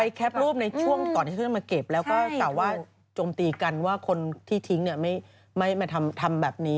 แคปรูปในช่วงก่อนที่ท่านมาเก็บแล้วก็กล่าวว่าโจมตีกันว่าคนที่ทิ้งเนี่ยไม่มาทำแบบนี้